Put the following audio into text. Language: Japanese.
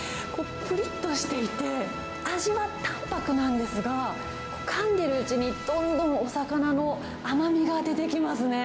ぷりっとしていて、味は淡白なんですが、かんでいるうちに、どんどんお魚の甘みが出てきますね。